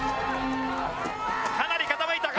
かなり傾いた！